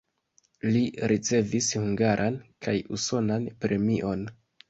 Li ricevis hungaran kaj usonan premiojn.